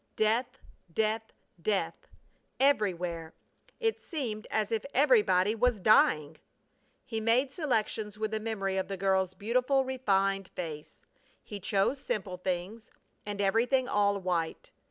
Death! Death! Death! Everywhere! It seemed as if everybody was dying! He made selections with a memory of the girl's beautiful, refined face. He chose simple things and everything all white.